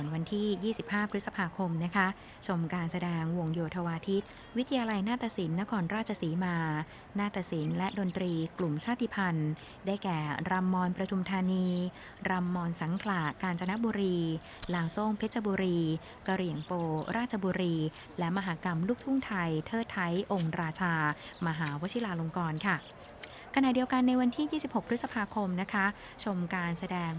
วันที่๒๕พฤษภาคมชมการแสดงวงโยธวาธิตรวิทยาลัยหน้าตะศิลป์นครราชศรีมาร์หน้าตะศิลป์และดนตรีกลุ่มชาติพันธ์ได้แก่รำมรประทุมธานีรำมรสังขลากาญจนบุรีหล่างโซ่งเพชรบุรีกะเหรียงโปรราชบุรีและมหากรรมลูกทุ่งไทยเทอดไทยองค์ราชามหาวชิลาลง